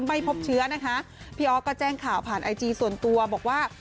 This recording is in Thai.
ไม่พบเชื้อนะคะพี่ออสก็แจ้งข่าวผ่านไอจีส่วนตัวบอกว่า